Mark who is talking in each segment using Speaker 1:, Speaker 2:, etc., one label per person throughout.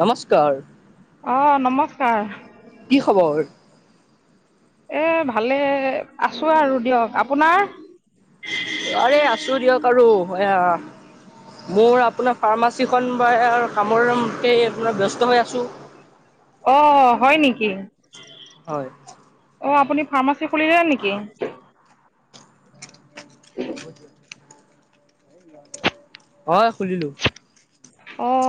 Speaker 1: নমস্কাৰ।
Speaker 2: অঁ, নমস্কাৰ।
Speaker 1: কি খবৰ?
Speaker 2: এই ভালে, আছোঁ আৰু দিয়ক। আপোনাৰ?
Speaker 1: আৰে, আছোঁ দিয়ক আৰু, এয়া। মোৰ আপোনাৰ ফাৰ্মাচীখন বা কামৰ মতেই আপোনাৰ ব্যস্ত হৈ আছোঁ।
Speaker 2: অ, হয় নেকি?
Speaker 1: হয়।
Speaker 2: অ, আপুনি ফাৰ্মাচী খুলিলে নেকি?
Speaker 1: [inaudible] অ, খুলিলো।
Speaker 2: অ।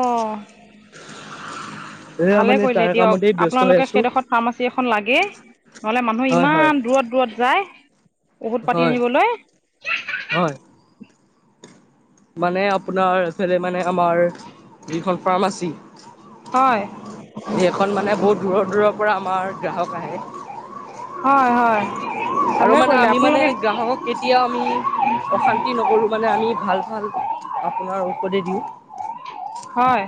Speaker 1: এয়া
Speaker 2: ভালে
Speaker 1: মানে
Speaker 2: কৰিলে
Speaker 1: তাৰ
Speaker 2: দিয়ক।
Speaker 1: কামতেই ব্যস্ত হৈ
Speaker 2: আপোনালোকে
Speaker 1: আছো
Speaker 2: সেইডোখৰ ফাৰ্মাচী এখন লাগে, নহলে মানুহ
Speaker 1: হয় হয়
Speaker 2: ইমান দূৰত- দূৰত যায়। ঔষধ পাতি
Speaker 1: হয়
Speaker 2: আনিবলৈ।
Speaker 1: হয়। মানে আপোনাৰ এইফালে মানে আমাৰ যিখন ফাৰ্মাচী
Speaker 2: হয়
Speaker 1: এইখন মানে বহুত দূৰৰ দূৰৰ পৰা আমাৰ গ্ৰাহক আহে।
Speaker 2: হয় হয়,
Speaker 1: আৰু
Speaker 2: ভালে
Speaker 1: মানে
Speaker 2: কৰিলে
Speaker 1: আমি মানে
Speaker 2: আপনালোকে
Speaker 1: গ্ৰাহকক কেতিয়াও আমি অশান্তি নকৰোঁ মানে আমি ভাল ভাল আপোনাৰ ঔষধে দিওঁ।
Speaker 2: হয়।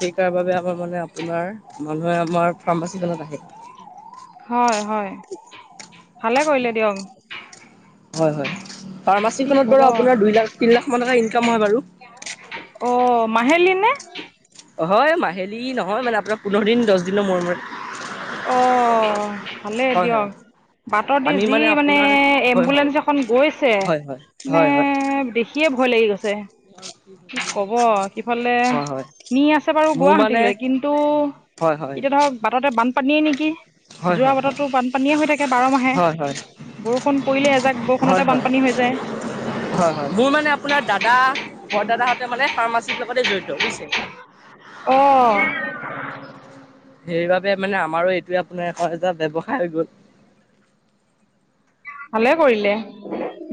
Speaker 1: সেইকাৰ বাবে আমাৰ মানে আপোনাৰ মানুহে আমাৰ ফ্ৰামাচী খনত আহে।
Speaker 2: হয় হয়, ভালে কৰিলে দিয়ক।
Speaker 1: হয় হয়,
Speaker 2: কি
Speaker 1: ফাৰ্মাচীখনত
Speaker 2: ক'ব
Speaker 1: বাৰু আপোনাৰ দুই লাখ, তিনি লাখ মান টকা ইনকাম হয় বাৰু।
Speaker 2: অ মাহেলী নে?
Speaker 1: অ হয় মাহিলী নহয় মানে আপোনাৰ পোন্ধৰ দিন, দছ দিনৰ মূৰে-মূৰে।
Speaker 2: অহ ভালে
Speaker 1: হয় হয়।
Speaker 2: দিয়ক। বাট' দি
Speaker 1: আমি
Speaker 2: যি মানে
Speaker 1: আপোনাৰ হয় হয়
Speaker 2: এম্বুলেঞ্চ এখন গৈছে
Speaker 1: হয় হয়
Speaker 2: মানে
Speaker 1: হয় হয়
Speaker 2: দে খিয়ে ভয় লাগি গৈছে। কি ক'ব সিফালে
Speaker 1: হয় হয়
Speaker 2: নি আছে বাৰু
Speaker 1: মোৰ মানে
Speaker 2: গুৱাহাটীলৈ কিন্তু
Speaker 1: হয় হয়
Speaker 2: এতিয়া ধৰক বাটতে বানপানীয়ে নিকি?
Speaker 1: হয় হয় হয়
Speaker 2: যোৰাবাটতটো বানপানীয়ে হৈ থাকে বাৰ মাহে,
Speaker 1: হয় হয়
Speaker 2: বৰষুণ পৰিলে এজাক বৰ
Speaker 1: হয় হয়
Speaker 2: ষুণতে বানপানী হৈ যায়।
Speaker 1: হয় হয়, মোৰ মানে আপোনাৰ দাদা বৰ দাদাহঁতে মানে ফাৰ্মাচীৰ লগতে জড়িত, বুইছে?
Speaker 2: অ',
Speaker 1: সেইবাবে মানে আমাৰো এইটোৱে আপোনাৰ আক' এটা ব্যৱসায় হৈ গ'ল।
Speaker 2: ভালে কৰিলে।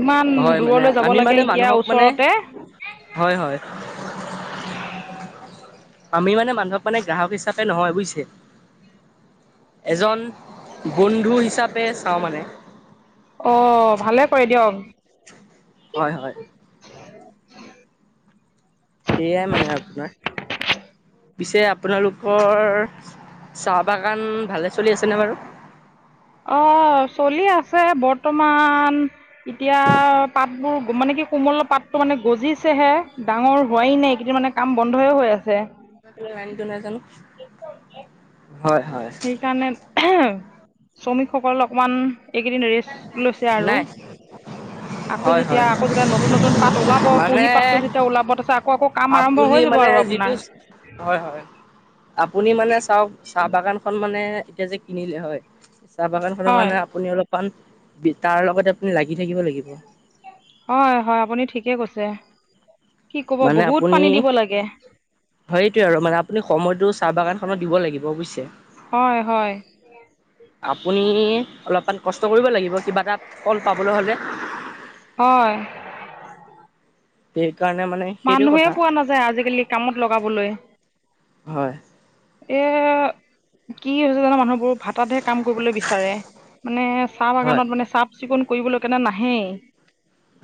Speaker 2: ইমান
Speaker 1: হয় মানে
Speaker 2: দূৰলৈ যাব
Speaker 1: আমি
Speaker 2: লাগে
Speaker 1: মানে
Speaker 2: এতিয়া
Speaker 1: মানুহক মানে
Speaker 2: ওচৰতে
Speaker 1: হয় হয়। আমি মানে মানুহক মানে গ্ৰাহক হিচাপে নহয়, বুইছে? এজন বন্ধু হিচাপে চাওঁ মানে।
Speaker 2: অ, ভালে কৰে দিয়ক।
Speaker 1: হয় হয়। সেয়াই মানে আপোনাৰ। পিছে আপোনালোকৰ চাহ বাগান ভালে চলি আছেনে বাৰু?
Speaker 2: অহ চলি আছে বৰ্তমান এতিয়া পাতবোৰ মানে কি কোমল পাতটো মানে গজিছে হে, ডাঙৰ হোৱাই নাই। এতিয়া মানে কাম বন্ধই হৈ আছে।
Speaker 1: লাইন টো নাজানো, হয় হয়।
Speaker 2: সেইকাৰণে শ্ৰমিকসকল অকমান এইকেইদিন ৰেষ্ট লৈছে
Speaker 1: নাই
Speaker 2: আৰু। আকৌ
Speaker 1: হয়
Speaker 2: যেতিয়া
Speaker 1: হয়
Speaker 2: আকৌ যেতিয়া নতুন নতুন পাত ওলাব
Speaker 1: মানে
Speaker 2: কুঁহি পাতটো যেতিয়া ওলাব তাৰপিছত আকৌ আকৌ কাম আৰম্ভ
Speaker 1: আপুনি
Speaker 2: হৈ যাব
Speaker 1: মানে
Speaker 2: আৰু
Speaker 1: যিটো,
Speaker 2: আপোনাৰ
Speaker 1: হয় হয়, আপুনি মানে চাওঁক চাহ বাগান খন মানে এতিয়া যে কিনিলে হয়, চাহ বাগান খনৰ
Speaker 2: হয়
Speaker 1: মানে আপুনি অলপ মান বি তাৰ লগতে আপুনি লাগি থাকিব লাগিব।
Speaker 2: হয় হয় আপুনি ঠিকে কৈছে। কি ক'ব
Speaker 1: মানে
Speaker 2: বহুত
Speaker 1: আপুনি
Speaker 2: পানী দিব লাগে।
Speaker 1: সেইটোৱে আৰু মানে আপুনি সময়টো চাহ বাগানখনত দিব লাগিব, বুইছে?
Speaker 2: হয় হয়।
Speaker 1: আপুনি অলপমান কষ্ট কৰিব লাগিব। কিবা এটা ফল পাবলৈ হ'লে
Speaker 2: হয়।
Speaker 1: সেইকাৰণে মানে সেইটো
Speaker 2: মানুহে
Speaker 1: কথা
Speaker 2: পোৱা নাযায় আজিকালি কামত লগাবলৈ।
Speaker 1: হয়
Speaker 2: এ কি হৈছে জানো মানুহবোৰ। ভাটাতহে কাম কৰিবলৈ বিচাৰে, মানে চাহ
Speaker 1: হয়
Speaker 2: বাগানত মানে চাফ চিকুণ কৰিবলৈ কাৰণে নাহেই।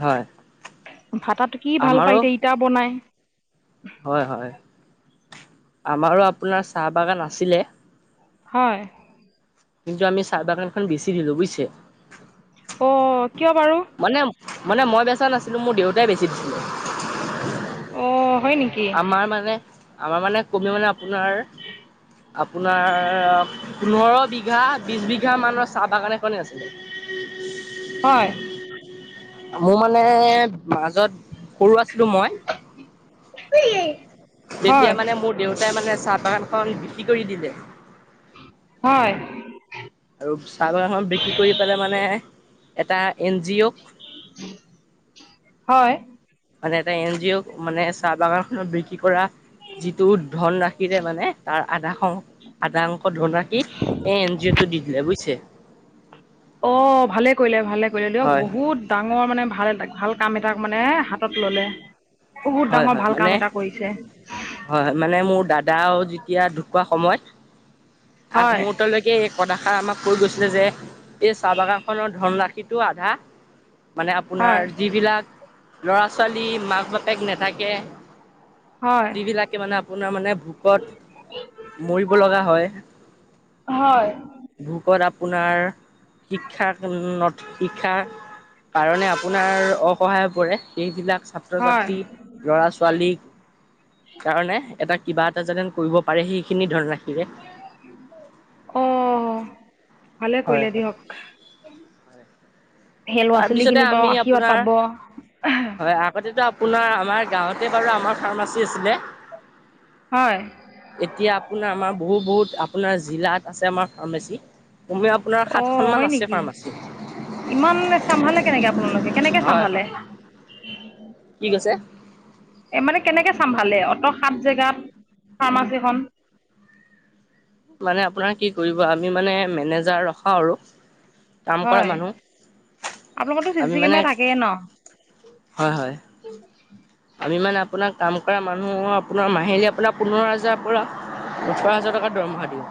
Speaker 1: হয়।
Speaker 2: ভাটাত কি ভাল পায়,
Speaker 1: আমাৰো
Speaker 2: এতিয়া ইটা বনাই।
Speaker 1: হয় হয়, আমাৰো আপোনাৰ চাহ বাগান আছিলে।
Speaker 2: হয়।
Speaker 1: কিন্তু আমি চাহ বাগানখন বেছি দিলোঁ বুজিছে।
Speaker 2: অ' কিয় বাৰু।
Speaker 1: মানে মানে, মই বেচা নাছিলোঁ, মোৰ দেউতাই বেছি দিছিলে।
Speaker 2: অ', হয় নেকি?
Speaker 1: আমাৰ মানে, আমাৰ মানে কমেও মানে আপোনাৰ আপোনাৰ পোন্ধৰ বিঘা বিছ বিঘা মানৰ চাহ বাগান এখনেই আছিলে। [inaudible]
Speaker 2: হয়।
Speaker 1: মোৰ মানে মাজত সৰু আছিলোঁ মই,
Speaker 2: হয়
Speaker 1: তেতিয়া মানে মোৰ দেউতাই মানে চাহ বাগানখন বিক্ৰী কৰি দিলে।
Speaker 2: হয়।
Speaker 1: আৰু চাহ বাগানখন বিক্ৰী কৰি পেলাই মানে এটা এন জি অ'
Speaker 2: হয়।
Speaker 1: মানে এটা এন জি অ' মানে চাহ বাগান খনন বিক্ৰী কৰা যিটো ধন ৰা মানে তাৰ আধা আধা শং আধা শংখ্যক ধন ৰাশি এ এন জি অ'টোত দি দিলে বুজিছে।
Speaker 2: অ', ভালে কৰিলে, ভালে কৰিলে, দিয়ক
Speaker 1: হয়
Speaker 2: বহুত ডাঙৰ মানে ভাল এ ভাল কাম এটাক মানে হাতত ললে। বহুত
Speaker 1: হয়
Speaker 2: ডাঙৰ
Speaker 1: হয়
Speaker 2: ভাল
Speaker 1: মানে
Speaker 2: কাম এটাক কৰিছে।
Speaker 1: হয়, মানে মোৰ দাদাও যেতিয়া ঢুকোৱা সময়,
Speaker 2: হয়
Speaker 1: আগমোহূৰ্তলৈকে এই কথাষাৰ আমাক কৈ গৈছিলে যে, এই চাহ বাগান খনৰ ধনৰাশিটো আধা মানে, আপোনাৰ
Speaker 2: হয়
Speaker 1: যিবিলাক ল'ৰা ছোৱালী মাক বাপেক নেথাকে
Speaker 2: হয়
Speaker 1: যিবিলাকে মানে আপোনাৰ মানে ভোকত মৰিব লগা হয়।
Speaker 2: হয়।
Speaker 1: ভোকত আপোনাৰ শিক্ষা নথ শিক্ষাৰ কাৰণে আপোনাৰ অসহায় হৈ পৰে, সেইবিলাক ছাত্ৰ
Speaker 2: হয়
Speaker 1: ছাত্ৰী ল'ৰা ছোৱালীক কাৰণে এটা কিবা এটা যেন কৰিব পাৰে, সেইখিনি ধনৰাশিৰে।
Speaker 2: অ', ভালে
Speaker 1: হয়
Speaker 2: কৰিলে
Speaker 1: হয়
Speaker 2: দিয়ক। সেই ল'ৰা ছোৱালী
Speaker 1: তাৰপিছতে
Speaker 2: খিনি পাও
Speaker 1: আমি
Speaker 2: আশীৰ্বাদ
Speaker 1: আপোনাৰ
Speaker 2: পাব
Speaker 1: হয়, আগতেতো আপোনাৰ আমাৰ গাঁৱতে বাৰু আমাৰ ফাৰ্মাচী আছিলে।
Speaker 2: হয়।
Speaker 1: এতিয়া আপোনাৰ আমাৰ বহুত বহুত আপোনাৰ জিলাত আছে আমাৰ ফাৰ্মাচী। আপোনাৰ
Speaker 2: অ হয়
Speaker 1: সাতখনমান আছে
Speaker 2: নেকি
Speaker 1: ফাৰ্মাচী।
Speaker 2: ইমান চম্ভালে কেনেকে আপোনালোকে? কেনেকে
Speaker 1: হয়
Speaker 2: চম্ভালে?
Speaker 1: হয় কি কৈছে?
Speaker 2: এ, মানে কেনেকে চাম্ভালে, অত সাত জেগাত ফাৰ্মাচীখন?
Speaker 1: মানে আপোনাৰ কি কৰিব, আমি মানে মেনেজাৰ ৰখাও আৰু। কাম কৰা
Speaker 2: হয়,
Speaker 1: মানুহ
Speaker 2: আপোনালোকৰতো
Speaker 1: আমি
Speaker 2: চিচি
Speaker 1: মানে
Speaker 2: কেমেৰা থাকেই ন?
Speaker 1: হয় হয় আমি মানে আপোনাৰ কাম কৰা মানুহৰ আপোনাৰ মাহিলী আপোনাৰ পোন্ধৰ হাজাৰৰ পৰা ওঠৰ হাজাৰ টকা দৰমহা দিওঁ।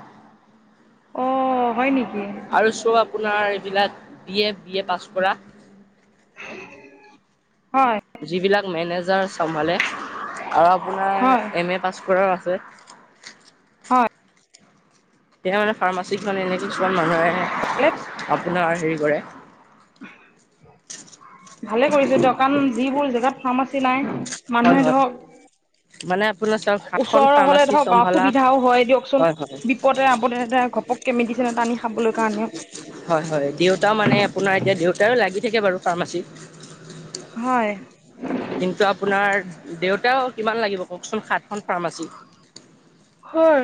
Speaker 2: অ হয় নেকি
Speaker 1: আৰু চ'ব আপোনাৰ এইবিলাক B A, B A pass কৰা
Speaker 2: হয়
Speaker 1: যিবিলাক মেনেজাৰ চম্ভালে, আৰু
Speaker 2: হয়
Speaker 1: আপোনাৰ এম এ পাছ কৰাও আছে
Speaker 2: হয়
Speaker 1: কেতিয়াবা মানে ফাৰ্মাচীত মানে এনে কিছুমান মানুহ আহে, আপোনাৰ হেৰি কৰে
Speaker 2: ভালে কৰিছে দিয়ক, কাৰণ যিবোৰ জেগাত ফাৰ্মাচী নাই,
Speaker 1: হয়
Speaker 2: মানুহে
Speaker 1: হয়
Speaker 2: ধৰক
Speaker 1: মানে আপোনাৰ চাওক সাতখন
Speaker 2: ওচৰৰ হলে
Speaker 1: ফাৰ্মাচী
Speaker 2: ধৰক অ
Speaker 1: চম্ভালা
Speaker 2: সুবিধাও হয় দিয়কচোন বিপদে আপদে এটা ঘপককে মেডিচিন এটা আনি খাবলৈ কাৰণেও
Speaker 1: হয়, হয়, দেউতা মানে আপোনাৰ এতিয়া, দেউতাও লাগি থাকে বাৰু ফাৰ্মাচীত।
Speaker 2: হয়
Speaker 1: কিন্তু আপোনাৰ দেউতাও কিমান লাগিব কও‍ঁকচোন, সাতখন ফাৰ্মাচী
Speaker 2: হয়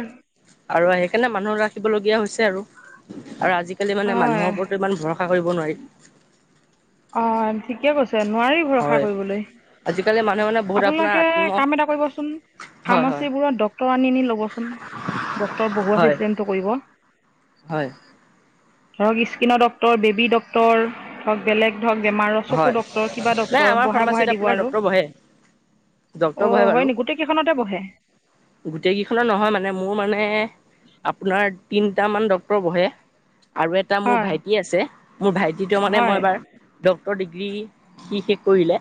Speaker 1: আৰু সেইকাৰণে মানুহ ৰাখিবলগীয়া হৈছে আৰু। আৰু আজিকালি মানে মানুহৰ
Speaker 2: হয়
Speaker 1: ওপৰতো ইমান ভৰস সা কৰিব নোৱাৰি।
Speaker 2: অ', ঠিকে কৈছে, নোৱাৰি ভৰসা
Speaker 1: হয়
Speaker 2: কৰিবলৈ।
Speaker 1: [unintelligible] মানুহে মানে বহুত আপোনাৰ
Speaker 2: আপোনালোকে
Speaker 1: আত্ম
Speaker 2: কাম এটা কৰিবচোন,
Speaker 1: হয় হয়
Speaker 2: ফাৰ্মাচীবোৰত ডক্টৰ আনি আনি ল'বচোন। ডক্টৰ বহুৱা
Speaker 1: হয়
Speaker 2: চিষ্টেমটো কৰিব।
Speaker 1: হয়
Speaker 2: ধৰক স্কিনৰ ডক্টৰ, বেবী ডক্টৰ বেলেগ ধৰক বেমাৰৰ চকু
Speaker 1: হয়
Speaker 2: ডক্টৰ, কিবা
Speaker 1: নাই
Speaker 2: ডক্টৰ,
Speaker 1: আমাৰ
Speaker 2: বহাই
Speaker 1: ফাৰ্মাচীত
Speaker 2: বহাই দিব
Speaker 1: আপোনাৰ
Speaker 2: আৰু
Speaker 1: ডক্তৰ বহে ডক্তৰ
Speaker 2: অ',
Speaker 1: বহে
Speaker 2: হয়নি, গোটেই কেইখনতে বহে?
Speaker 1: গোটেইকিইখনত নহয় মানে, মোৰ মানে আপোনাৰ তিনিটামান ডক্টৰ বহে। আৰু এটা মোৰ
Speaker 2: হয়
Speaker 1: ভাইটি আছে, মোৰ ভাইটিটোৱে মানে
Speaker 2: হয়
Speaker 1: মই এবাৰ ডক্টৰ ডিগ্ৰী সি শেষ কৰিলে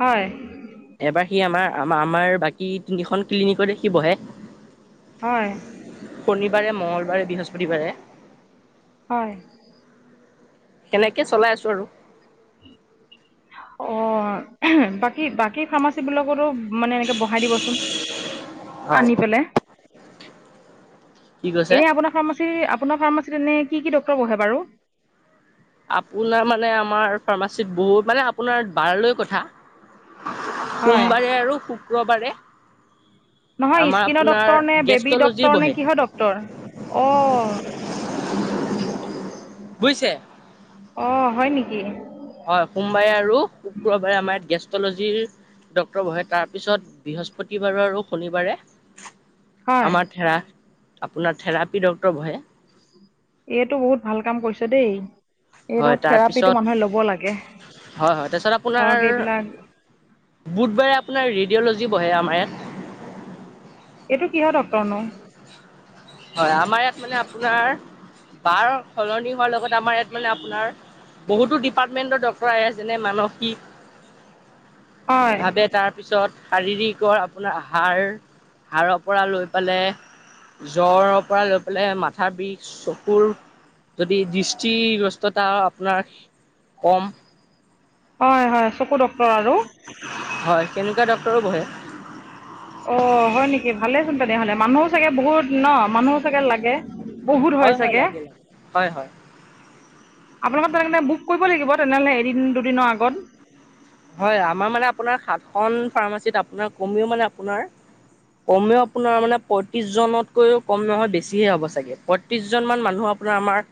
Speaker 2: হয়
Speaker 1: এবাৰ সি আমাৰ, আমাৰ বাকী তিনিখন ক্লিনিকতে সি বহে।
Speaker 2: হয়
Speaker 1: শনিবাৰে, মঙ্গলবাৰে, বৃহস্পতিবাৰে।
Speaker 2: হয়
Speaker 1: সেনেকে চলাই আছোঁ আৰু
Speaker 2: অ', বাকী, বাকী, ফাৰ্মাচী বিলাকতো মানে এনেকে বহাই দিবচোন, আনি পেলাই
Speaker 1: কি কৈছে
Speaker 2: এনে আপোনাৰ ফাৰ্মাচী, আপোনাৰ ফাৰ্মাচীত এনে কি কি ডক্টৰ বহে বাৰু?
Speaker 1: আপোনাৰ মানে আমাৰ ফাৰ্মাচীত বহু মানে আপোনাৰ বাৰ লৈ কথা
Speaker 2: হয়
Speaker 1: সোমবাৰে আৰু শুক্ৰবাৰে
Speaker 2: নহয়
Speaker 1: আমাৰ
Speaker 2: স্কিনৰ
Speaker 1: আপোনাৰ
Speaker 2: ডক্টৰ নে, বেবী
Speaker 1: গেষ্ট্ৰলজিৰ
Speaker 2: ডক্টৰ নে,
Speaker 1: বহে
Speaker 2: কিহৰ ডক্টৰ? অ'
Speaker 1: বুইছে
Speaker 2: অ', হয় নেকি?
Speaker 1: হয় সোমবাৰে আৰু শুক্ৰবাৰে আমাৰ ইয়াত গেষ্ট্ৰলজিৰ, ডক্টৰ বহে তাৰপিছত বৃহস্পতিবাৰ আৰু শনিবাৰে,
Speaker 2: হয়
Speaker 1: আমাৰ থেৰা আপোনাৰ থেৰাপি ডক্টৰ বহে।
Speaker 2: এইটো বহুত ভাল কাম কৰিছ দেই। এই
Speaker 1: হয়
Speaker 2: ধৰক থেৰাপিটো
Speaker 1: তাৰপিছত
Speaker 2: মানুহে লব লাগে
Speaker 1: হয় হয় তাৰপিছত আপোনাৰ
Speaker 2: ধৰক এইবিলাক,
Speaker 1: বুধবাৰে আপোনাৰ ৰেডিঅ'লজি বহে আমাৰ ইয়াত।
Speaker 2: এইটো কিহৰ ডক্টৰনো?
Speaker 1: হয় আমাৰ ইয়াত মানে আপোনাৰ বাৰ সলনি হোৱাৰ লগত আমাৰ ইয়াত মানে আপোনাৰ, বহুতো ডিপাৰ্টমেন্টৰ ডক্টৰ আহে যেনে মানসিক,
Speaker 2: হয়
Speaker 1: ভাবে তাত তাৰপিছত শাৰীৰিকৰ আপোনাৰ হাৰ সাৰৰ পৰা লৈ পেলাই, জ্বৰৰ পৰা লৈ পেলাই মাথাৰ বিষ চকুৰ যদি দৃষ্টিগ্ৰস্তত, টা আপোনাৰ কম,
Speaker 2: হয় হয় চকু ডক্টৰ আৰু,
Speaker 1: হয় সেনেকুৱা ডক্টৰো বহে।
Speaker 2: অ হয় নেকি ভালেচোন তেনেহলে মানুহো চাগে বহুত ন মানুহো চাগে লাগে। বহুত হয় চাগে,
Speaker 1: লাগে লাগে। হয় হয়
Speaker 2: আপোনালোকৰ তেনেকেনে বুক কৰিব লাগিব তেনেহ'লে এদিন দুদিনৰ আগত,
Speaker 1: হয় আমাৰ মানে আপোনাৰ সাতখন ফাৰ্মাচীত আপোনাৰ কমেও মানে আপোনাৰ, কমেও আপোনাৰ মানে পঁয়ত্ৰিশজনতকৈও কম নহয় বেছিহে হ'ব চাগে, ত্ৰিশজনমান মানুহ আপোনাৰ আমাৰ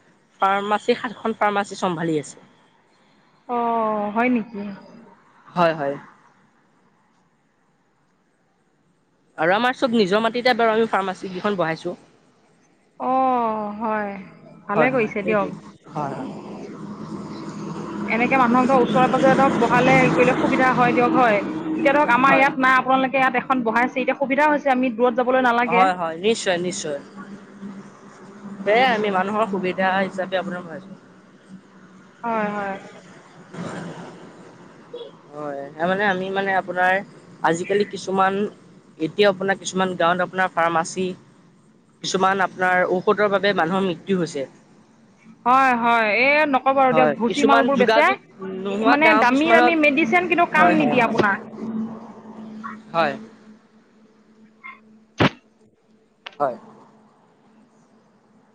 Speaker 1: ফাৰ্মাচী সাতখন ফাৰ্মাচী চম্ভালি আছে।
Speaker 2: অ হয় নেকি,
Speaker 1: হয় হয়। আৰু আমাৰ চব নিজৰ মাটিতে বাৰু আমি ফাৰ্মাচী কেইখন বহাইছো।
Speaker 2: অ' হয় ভালে
Speaker 1: হয় হয়
Speaker 2: কৰিছে দিয়ক
Speaker 1: সেইটোৱে হয় হয়।
Speaker 2: এনেকে মানুহৰ ধৰক ওচৰে পাজৰে ধৰক বহালে হেৰি কৰিলে সুবিধা হয় দিয়ক হয়, এতিয়া ধৰক আমাৰ
Speaker 1: হয়
Speaker 2: ইয়াত, নাই আপোনালোকে ইয়াত এখন বঢ়াইছে এতিয়া সুবিধা হৈছে আমি দূৰত যাবলৈ নালাগে।
Speaker 1: হয় হয় নিশ্চয় নিশ্চয় সেয়াই আমি মানুহৰ সুবিধা হিচাপে আপোনাৰ বহাইছোঁ।
Speaker 2: হয় হয়।
Speaker 1: [inaudible] হয় সেয়া মানে আমি মানে আপোনাৰ আজিকালি কিছুমান, এতিয়াও আপোনাৰ কিছুমান গাঁৱত আপোনাৰ ফাৰ্মাচী, কিছুমান আপোনাৰ ঔষধৰ বাবে মানুহৰ মৃত্যু হৈছে।
Speaker 2: হয় হয় এই, নকব আৰু দিয়ক
Speaker 1: হয়
Speaker 2: ভুচি
Speaker 1: কিছুমান
Speaker 2: মালবোৰ বেচে,
Speaker 1: যোগাযোগ নোহোৱা
Speaker 2: মানে
Speaker 1: গাঁও
Speaker 2: দামী দামী
Speaker 1: কিছুমানত
Speaker 2: মেডিচিন কিন্তু
Speaker 1: হয় হয়
Speaker 2: কাম নিদিয়ে
Speaker 1: হয়
Speaker 2: আপোনাৰ।
Speaker 1: হয়। হয়।